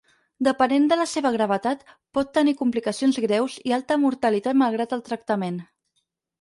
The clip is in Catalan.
Depenent de la seva gravetat, pot tenir complicacions greus i alta mortalitat malgrat el tractament.